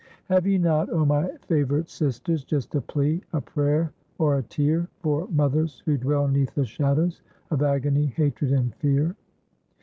Have ye not, oh, my favored sisters, Just a plea, a prayer or a tear For mothers who dwell 'neath the shadows Of agony, hatred and fear?